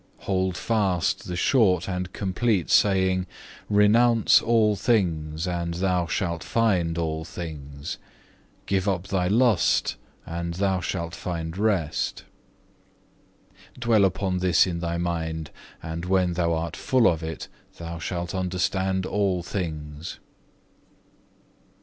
Hold fast the short and complete saying, 'Renounce all things, and thou shalt find all things; give up thy lust, and thou shalt find rest.' Dwell upon this in thy mind, and when thou art full of it, thou shalt understand all things."